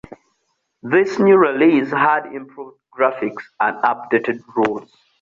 This new release had improved graphics and updated rules.